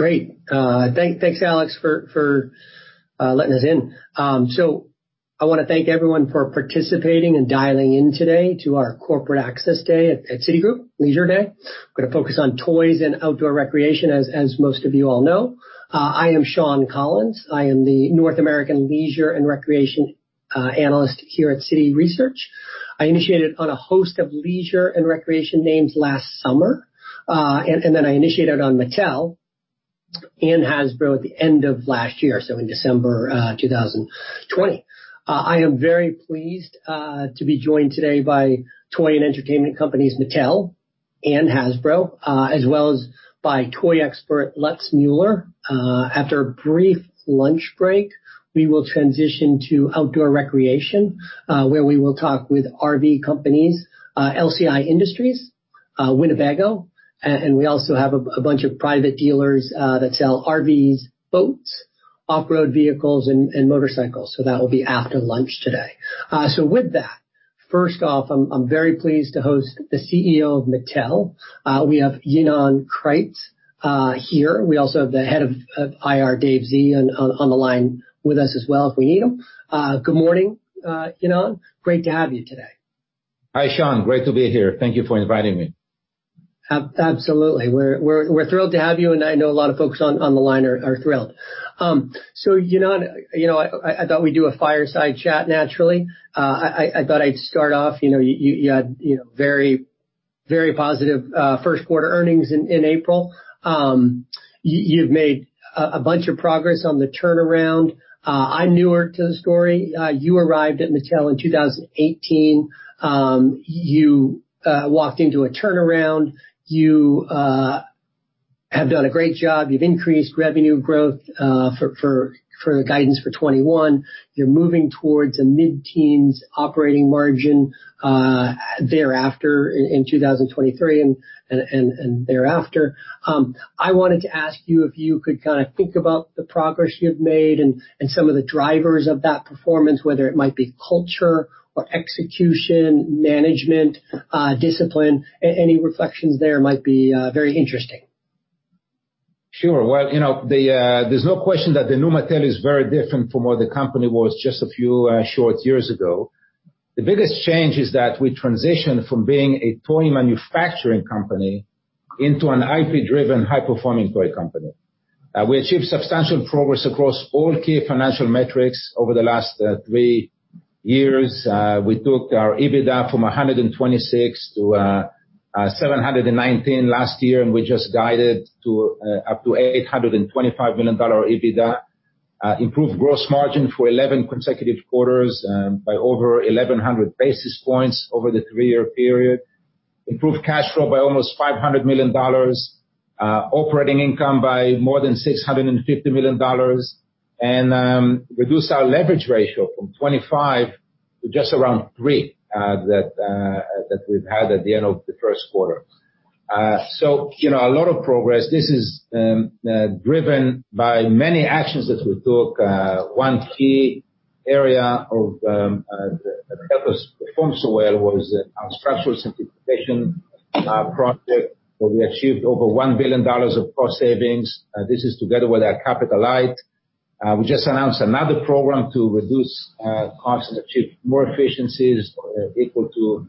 Great. Thanks, Alex, for letting us in. I want to thank everyone for participating and dialing in today to our Corporate Access Day at Citigroup, Leisure Day. We are going to focus on toys and outdoor recreation, as most of you all know. I am Shawn Collins. I am the North American Leisure and Recreation Analyst here at Citi Research. I initiated on a host of leisure and recreation names last summer, and then I initiated on Mattel and Hasbro at the end of last year, in December 2020. I am very pleased to be joined today by toy and entertainment companies Mattel and Hasbro, as well as by toy expert Lutz Muller. After a brief lunch break, we will transition to outdoor recreation, where we will talk with RV companies, LCI Industries, Winnebago, and we also have a bunch of private dealers that sell RVs, boats, off-road vehicles, and motorcycles. That will be after lunch today. With that, first off, I'm very pleased to host the CEO of Mattel. We have Ynon Kreiz here. We also have the head of IR, Dave Z, on the line with us as well if we need him. Good morning, Ynon. Great to have you today. Hi, Sean. Great to be here. Thank you for inviting me. Absolutely. We're thrilled to have you, and I know a lot of folks on the line are thrilled. Ynon, I thought we'd do a fireside chat, naturally. I thought I'd start off. You had very positive first-quarter earnings in April. You've made a bunch of progress on the turnaround. I'm newer to the story. You arrived at Mattel in 2018. You walked into a turnaround. You have done a great job. You've increased revenue growth for the guidance for 2021. You're moving towards a mid-teens operating margin thereafter in 2023 and thereafter. I wanted to ask you if you could kind of think about the progress you've made and some of the drivers of that performance, whether it might be culture or execution, management, discipline. Any reflections there might be very interesting. Sure. There is no question that the new Mattel is very different from what the company was just a few short years ago. The biggest change is that we transitioned from being a toy manufacturing company into an IP-driven, high-performing toy company. We achieved substantial progress across all key financial metrics over the last three years. We took our EBITDA from $126 million to $719 million last year, and we just guided to up to $825 million EBITDA. Improved gross margin for 11 consecutive quarters by over 1,100 basis points over the three-year period. Improved cash flow by almost $500 million. Operating income by more than $650 million. Reduced our leverage ratio from 2.5 to just around 3 that we had at the end of the first quarter. A lot of progress. This is driven by many actions that we took. One key area that helped us perform so well was our structural simplification project, where we achieved over $1 billion of cost savings. This is together with our capital light. We just announced another program to reduce costs and achieve more efficiencies equal to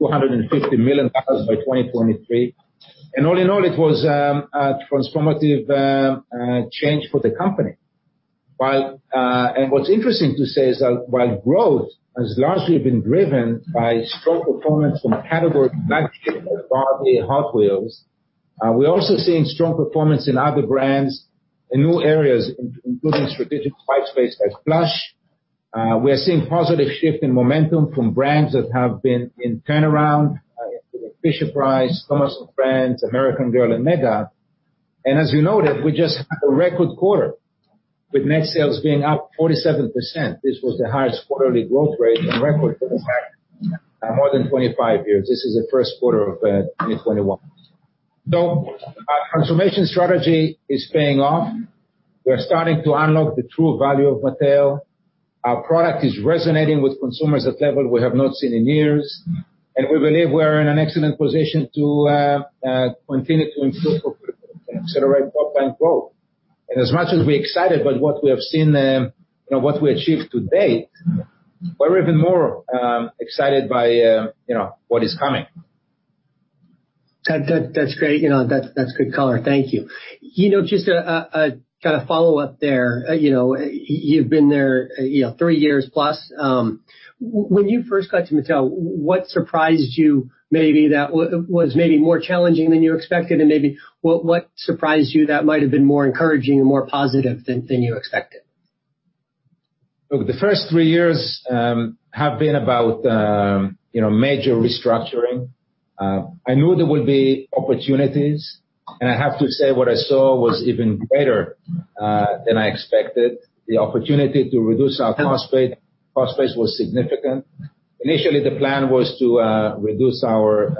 $250 million by 2023. All in all, it was a transformative change for the company. What's interesting to say is that while growth has largely been driven by strong performance from category flagships like Barbie and Hot Wheels, we're also seeing strong performance in other brands in new areas, including strategic space like plush. We are seeing positive shift in momentum from brands that have been in turnaround, Fisher-Price, Thomas & Friends, American Girl, and MEGA. As you noted, we just had a record quarter with net sales being up 47%. This was the highest quarterly growth rate on record for the past more than 25 years. This is the first quarter of 2021. Our transformation strategy is paying off. We're starting to unlock the true value of Mattel. Our product is resonating with consumers at levels we have not seen in years. We believe we are in an excellent position to continue to improve and accelerate top-line growth. As much as we're excited by what we have seen, what we achieved to date, we're even more excited by what is coming. That's great. That's good color. Thank you. Just a kind of follow-up there. You've been there three years plus. When you first got to Mattel, what surprised you? Maybe that was maybe more challenging than you expected. And maybe what surprised you that might have been more encouraging and more positive than you expected? The first three years have been about major restructuring. I knew there would be opportunities. I have to say what I saw was even greater than I expected. The opportunity to reduce our cost base was significant. Initially, the plan was to reduce our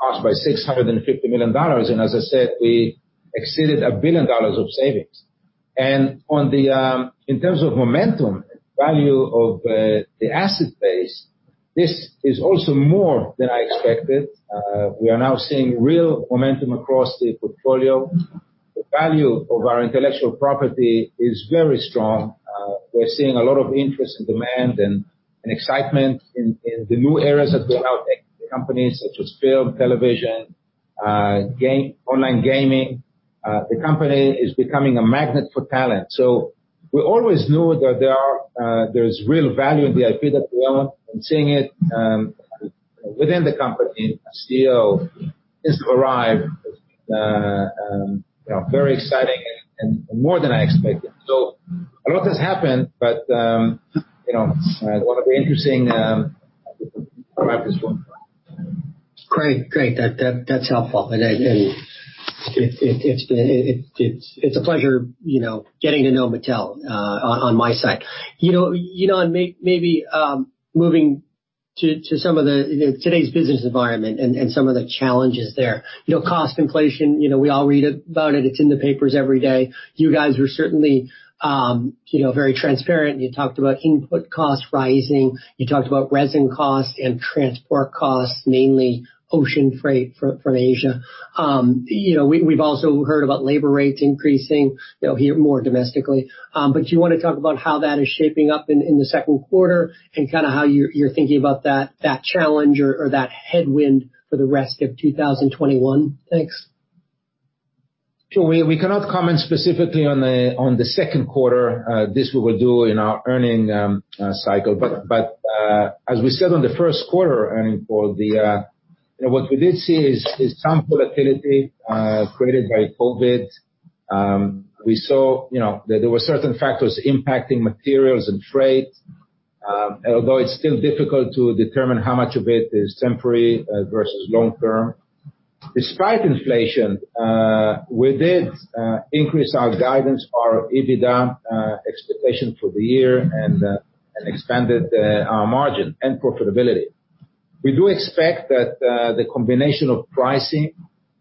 cost by $650 million. I said we exceeded a billion dollars of savings. In terms of momentum, value of the asset base, this is also more than I expected. We are now seeing real momentum across the portfolio. The value of our intellectual property is very strong. We're seeing a lot of interest and demand and excitement in the new areas that we're now taking to the company, such as film, television, online gaming. The company is becoming a magnet for talent. We always knew that there's real value in the IP that we own. Seeing it within the company, still, since we arrived, very exciting and more than I expected. A lot has happened, but one of the interesting arrived at this point. Great. Great. That's helpful. And it's a pleasure getting to know Mattel on my side. Ynon, maybe moving to some of today's business environment and some of the challenges there. Cost inflation, we all read about it. It's in the papers every day. You guys were certainly very transparent. You talked about input costs rising. You talked about resin costs and transport costs, mainly ocean freight from Asia. We've also heard about labor rates increasing here more domestically. Do you want to talk about how that is shaping up in the second quarter and kind of how you're thinking about that challenge or that headwind for the rest of 2021? Thanks. We cannot comment specifically on the second quarter. This we will do in our earning cycle. As we said on the first quarter earning quarter, what we did see is some volatility created by COVID. We saw that there were certain factors impacting materials and freight, although it's still difficult to determine how much of it is temporary versus long-term. Despite inflation, we did increase our guidance, our EBITDA expectation for the year, and expanded our margin and profitability. We do expect that the combination of pricing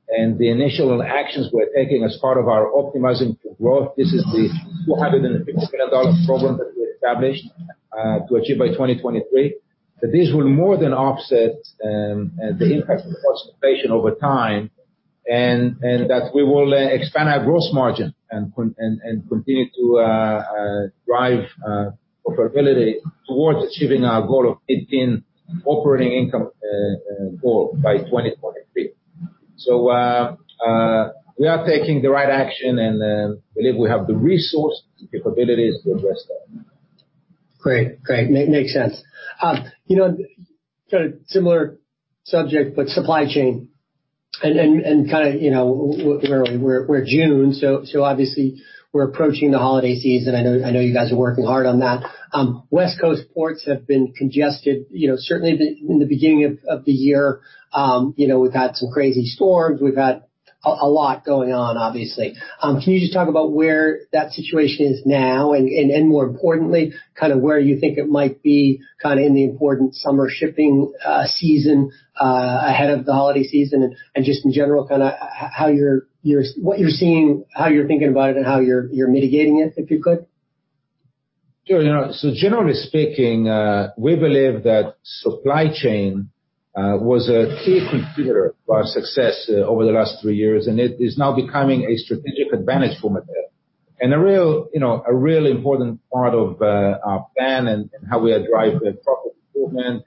and the initial actions we're taking as part of our optimizing for growth, this is the $250 million problem that we established to achieve by 2023, that this will more than offset the impact of cost inflation over time and that we will expand our gross margin and continue to drive profitability towards achieving our goal of 18% operating income goal by 2023. We are taking the right action and believe we have the resources and capabilities to address that. Great. Great. Makes sense. Kind of similar subject, but supply chain and kind of where we're June. Obviously, we're approaching the holiday season. I know you guys are working hard on that. West Coast ports have been congested. Certainly, in the beginning of the year, we've had some crazy storms. We've had a lot going on, obviously. Can you just talk about where that situation is now? More importantly, kind of where you think it might be in the important summer shipping season ahead of the holiday season? In general, kind of what you're seeing, how you're thinking about it, and how you're mitigating it, if you could? Generally speaking, we believe that supply chain was a key contributor to our success over the last three years, and it is now becoming a strategic advantage for Mattel. It is a real important part of our plan and how we drive profit improvement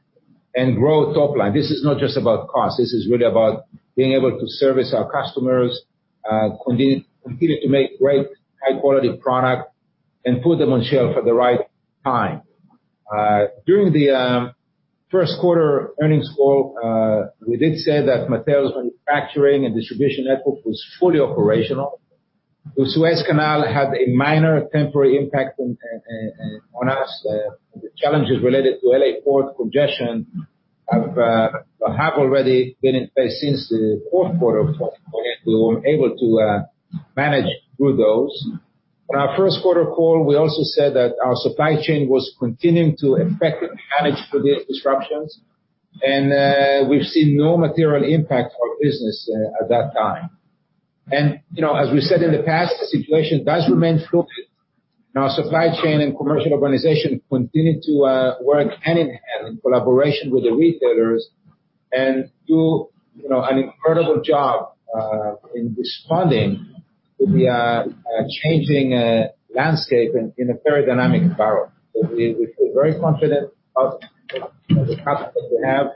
and growth upline. This is not just about cost. This is really about being able to service our customers, continue to make great, high-quality product, and put them on shelf at the right time. During the first quarter earnings call, we did say that Mattel's manufacturing and distribution network was fully operational. The Suez Canal had a minor temporary impact on us. The challenges related to L.A. Port congestion have already been in place since the fourth quarter of 2020. We were able to manage through those. On our first quarter call, we also said that our supply chain was continuing to effectively manage for these disruptions. We have seen no material impact on business at that time. As we said in the past, the situation does remain fluid. Our supply chain and commercial organization continue to work hand in hand in collaboration with the retailers and do an incredible job in responding to the changing landscape in a very dynamic environment. We feel very confident about the capacity that we have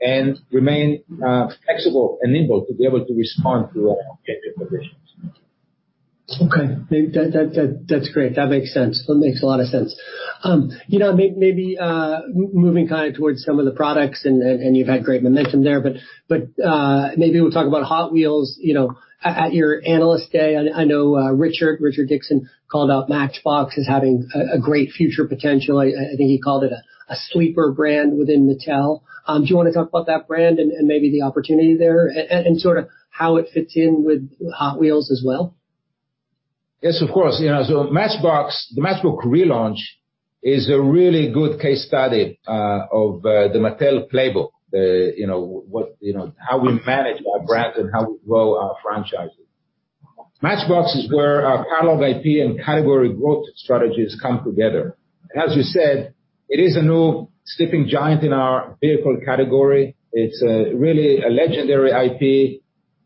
and remain flexible and nimble to be able to respond to changing conditions. Okay. That's great. That makes sense. That makes a lot of sense. Maybe moving kind of towards some of the products, and you've had great momentum there. Maybe we'll talk about Hot Wheels at your analyst day. I know Richard, Richard Dickson, called out Matchbox as having a great future potential. I think he called it a sleeper brand within Mattel. Do you want to talk about that brand and maybe the opportunity there and sort of how it fits in with Hot Wheels as well? Yes, of course. The Matchbox relaunch is a really good case study of the Mattel playbook, how we manage our brand and how we grow our franchises. Matchbox is where our catalog IP and category growth strategies come together. As we said, it is a new sleeping giant in our vehicle category. It is really a legendary IP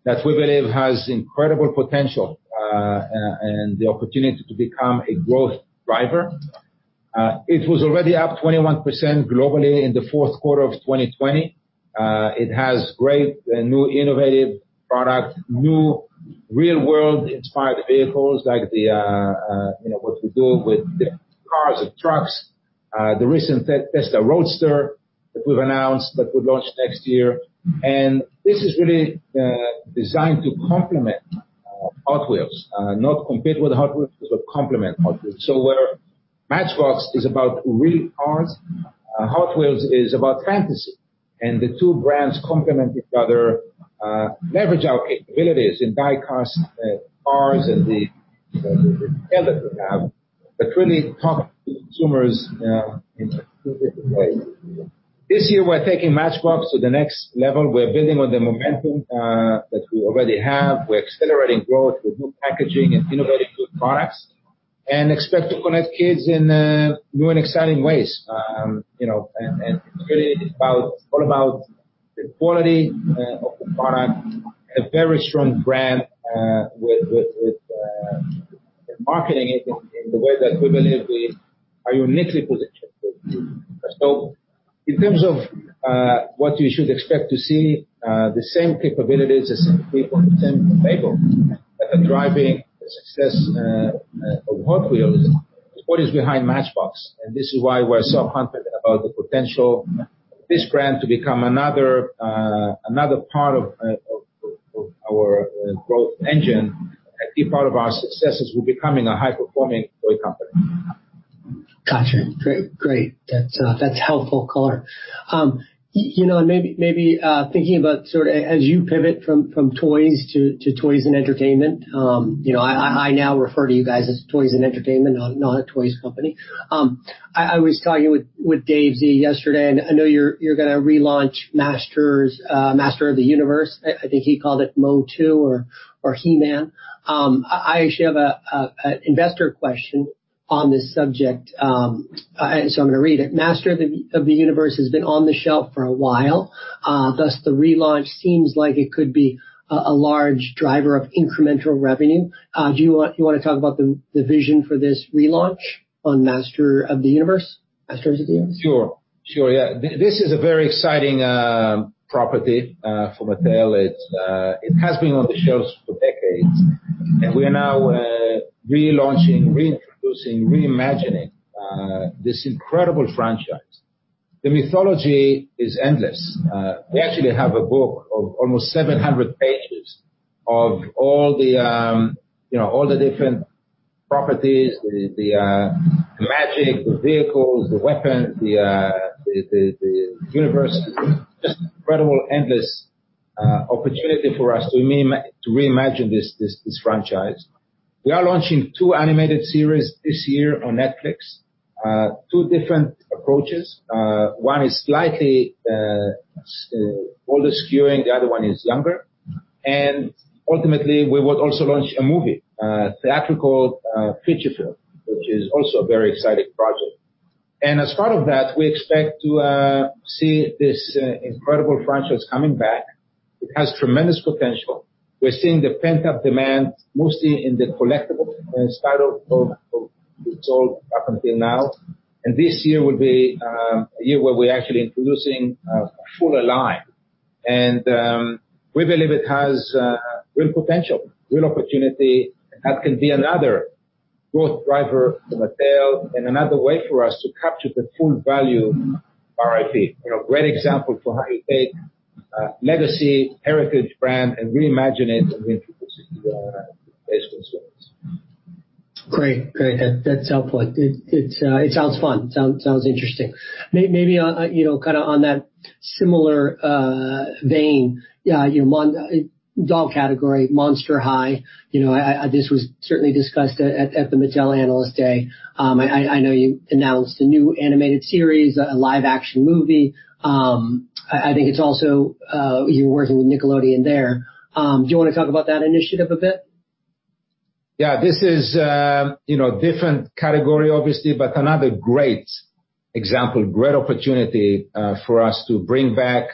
that we believe has incredible potential and the opportunity to become a growth driver. It was already up 21% globally in the fourth quarter of 2020. It has great new innovative products, new real-world-inspired vehicles like what we do with cars and trucks, the recent Tesla Roadster that we have announced that we will launch next year. This is really designed to complement Hot Wheels, not compete with Hot Wheels, but complement Hot Wheels. Where Matchbox is about real cars, Hot Wheels is about fantasy. The two brands complement each other, leverage our capabilities in die-cast cars and the intel that we have, but really talk to consumers in a different way. This year, we're taking Matchbox to the next level. We're building on the momentum that we already have. We're accelerating growth with new packaging and innovative products and expect to connect kids in new and exciting ways. It is really all about the quality of the product, a very strong brand with marketing it in the way that we believe we are uniquely positioned. In terms of what you should expect to see, the same capabilities, the same people, the same playbook that are driving the success of Hot Wheels is what is behind Matchbox. We are so confident about the potential of this brand to become another part of our growth engine, a key part of our success as we are becoming a high-performing toy company. Gotcha. Great. That's helpful color. Maybe thinking about sort of as you pivot from toys to toys and entertainment, I now refer to you guys as toys and entertainment, not a toys company. I was talking with Dave Z yesterday, and I know you're going to relaunch Master of the Universe. I think he called it MOTU or He-Man. I actually have an investor question on this subject. So I'm going to read it. Master of the Universe has been on the shelf for a while. Thus, the relaunch seems like it could be a large driver of incremental revenue. Do you want to talk about the vision for this relaunch on Master of the Universe, Master of the Universe? Sure. Yeah. This is a very exciting property for Mattel. It has been on the shelves for decades. We are now relaunching, reintroducing, reimagining this incredible franchise. The mythology is endless. We actually have a book of almost 700 pages of all the different properties, the magic, the vehicles, the weapons, the universe. Just incredible, endless opportunity for us to reimagine this franchise. We are launching two animated series this year on Netflix, two different approaches. One is slightly older skewing. The other one is younger. Ultimately, we would also launch a movie, a theatrical feature film, which is also a very exciting project. As part of that, we expect to see this incredible franchise coming back. It has tremendous potential. We're seeing the pent-up demand, mostly in the collectibles in spite of what we've sold up until now. This year will be a year where we're actually introducing a full line. We believe it has real potential, real opportunity. That can be another growth driver for Mattel and another way for us to capture the full value of our IP. A great example for how you take a legacy heritage brand and reimagine it and reintroduce it to base consumers. Great. Great. That's helpful. It sounds fun. It sounds interesting. Maybe kind of on that similar vein, doll category, Monster High. This was certainly discussed at the Mattel Analyst Day. I know you announced a new animated series, a live-action movie. I think it's also you're working with Nickelodeon there. Do you want to talk about that initiative a bit? Yeah. This is a different category, obviously, but another great example, great opportunity for us to bring back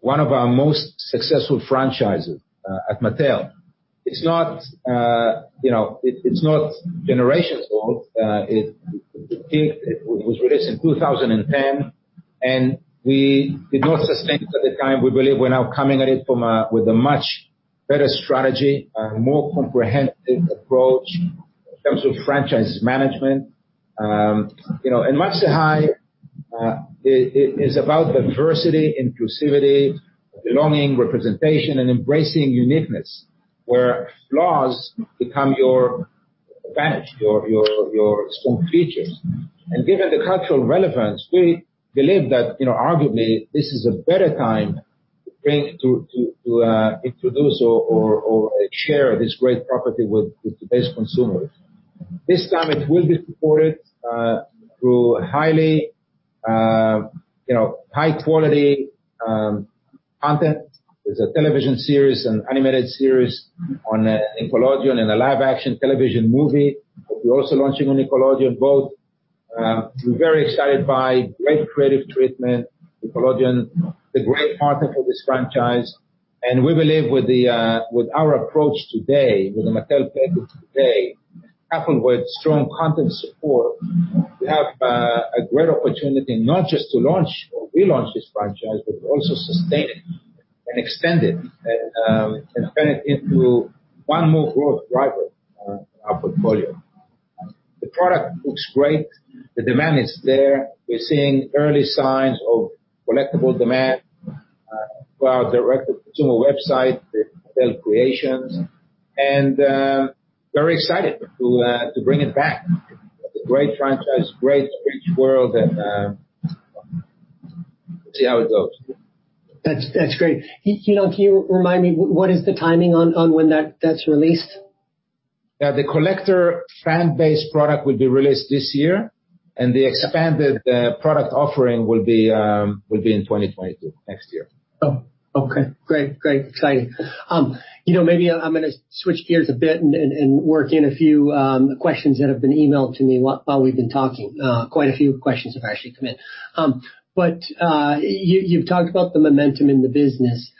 one of our most successful franchises at Mattel. It's not generations old. It was released in 2010. We did not sustain it at the time. We believe we're now coming at it with a much better strategy, a more comprehensive approach in terms of franchise management. Monster High is about diversity, inclusivity, belonging, representation, and embracing uniqueness where flaws become your advantage, your strong features. Given the cultural relevance, we believe that arguably this is a better time to introduce or share this great property with today's consumers. This time, it will be supported through high-quality content. There's a television series, an animated series on Nickelodeon, and a live-action television movie. We're also launching on Nickelodeon both. We're very excited by great creative treatment. Nickelodeon, the great partner for this franchise. We believe with our approach today, with the Mattel package today, coupled with strong content support, we have a great opportunity not just to launch or relaunch this franchise, but also sustain it and extend it and turn it into one more growth driver in our portfolio. The product looks great. The demand is there. We're seeing early signs of collectible demand for our direct-to-consumer website, Mattel Creations. We're very excited to bring it back. It's a great franchise, great rich world, and we'll see how it goes. That's great. Can you remind me what is the timing on when that's released? Yeah. The collector fan-based product will be released this year. The expanded product offering will be in 2022, next year. Oh, okay. Great. Great. Exciting. Maybe I'm going to switch gears a bit and work in a few questions that have been emailed to me while we've been talking. Quite a few questions have actually come in. You've talked about the momentum in the business.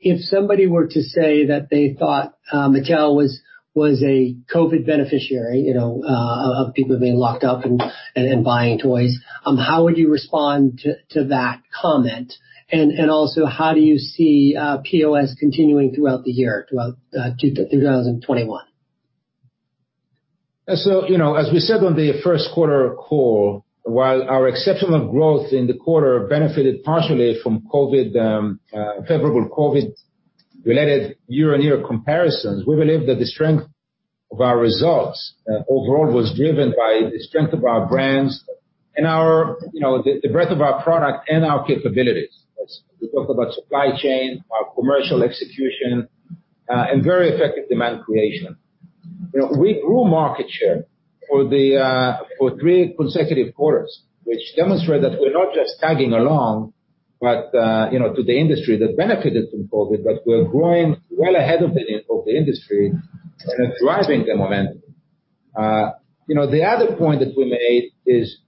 If somebody were to say that they thought Mattel was a COVID beneficiary of people being locked up and buying toys, how would you respond to that comment? Also, how do you see POS continuing throughout the year, throughout 2021? As we said on the first quarter call, while our exceptional growth in the quarter benefited partially from favorable COVID-related year-on-year comparisons, we believe that the strength of our results overall was driven by the strength of our brands and the breadth of our product and our capabilities. We talked about supply chain, our commercial execution, and very effective demand creation. We grew market share for three consecutive quarters, which demonstrated that we're not just tagging along to the industry that benefited from COVID, but we're growing well ahead of the industry and driving the momentum. The other point that we made is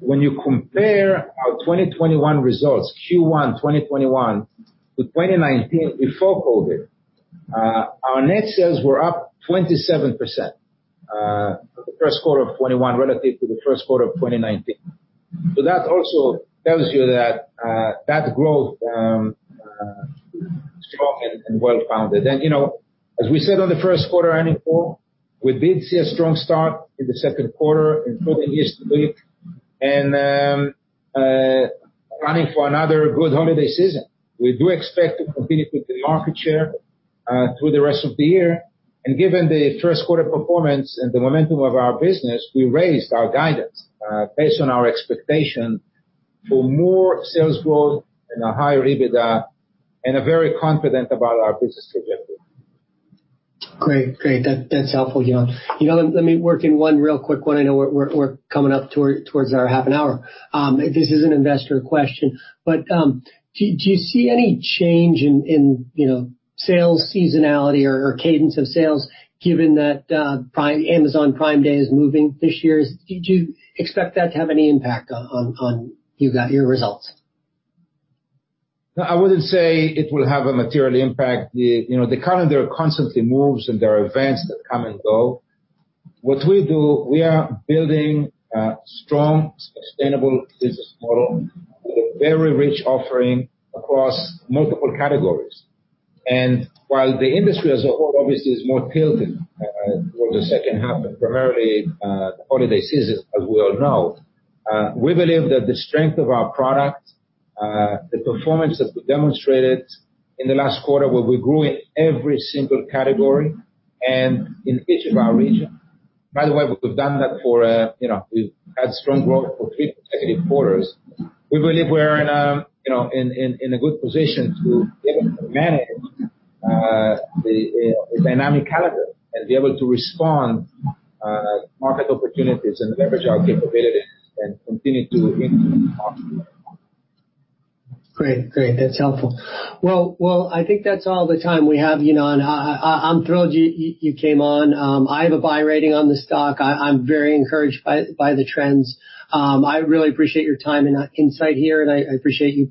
when you compare our 2021 results, Q1 2021 to 2019 before COVID, our net sales were up 27% for the first quarter of 2021 relative to the first quarter of 2019. That also tells you that that growth is strong and well-founded. As we said on the first quarter earnings call, we did see a strong start in the second quarter, including this week, and are planning for another good holiday season. We do expect to continue to gain market share through the rest of the year. Given the first quarter performance and the momentum of our business, we raised our guidance based on our expectation for more sales growth and a higher EBITDA and are very confident about our business objective. Great. Great. That's helpful. Ynon, let me work in one real quick one. I know we're coming up towards our half an hour. This is an investor question. Do you see any change in sales seasonality or cadence of sales given that Amazon Prime Day is moving this year? Do you expect that to have any impact on your results? I wouldn't say it will have a material impact. The calendar constantly moves and there are events that come and go. What we do, we are building a strong, sustainable business model with a very rich offering across multiple categories. While the industry as a whole, obviously, is more tilted towards the second half, primarily the holiday season, as we all know, we believe that the strength of our product, the performance that we demonstrated in the last quarter where we grew in every single category and in each of our regions, by the way, we've done that for we've had strong growth for three consecutive quarters. We believe we're in a good position to be able to manage the dynamic calendar and be able to respond to market opportunities and leverage our capabilities and continue to improve the market. Great. Great. That's helpful. I think that's all the time we have, Ynon. I'm thrilled you came on. I have a buy rating on the stock. I'm very encouraged by the trends. I really appreciate your time and insight here. I appreciate you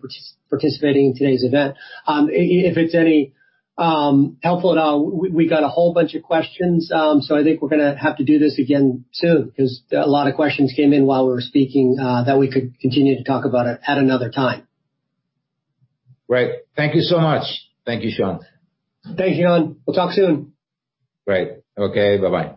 participating in today's event. If it's any helpful at all, we got a whole bunch of questions. I think we're going to have to do this again soon because a lot of questions came in while we were speaking that we could continue to talk about at another time. Great. Thank you so much. Thank you, Sean. Thanks, Ynon. We'll talk soon. Great. Okay. Bye-bye.